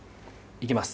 いきます。